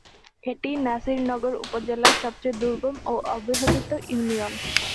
এটি নাসিরনগর উপজেলার সবচেয়ে দুর্গম ও অবহেলিত ইউনিয়ন।